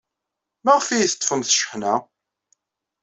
Maɣef ay iyi-teḍḍfemt cceḥna?